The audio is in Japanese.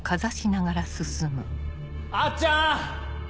あっちゃん！